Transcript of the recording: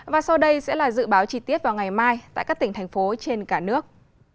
và sau đây sẽ là dự báo chi tiết vào ngày mai tại các tỉnh thành phố trên cả nước